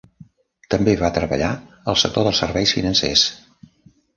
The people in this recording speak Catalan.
També va treballar al sector dels serveis financers.